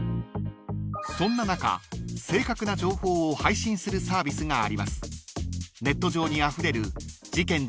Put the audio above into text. ［そんな中正確な情報を配信するサービスがあります］